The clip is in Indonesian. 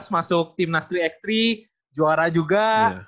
dua ribu tiga belas masuk tim nastri x tiga juara juga